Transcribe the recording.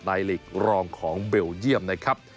หลีกรองของเบลเยี่ยมนะครับ